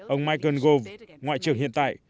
ông michael gove ngoại trưởng hiện tại